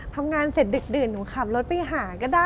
ทำงานเสร็จดึกหนูขับรถไปหาก็ได้